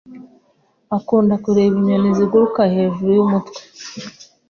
Akunda kureba inyoni ziguruka hejuru yumutwe.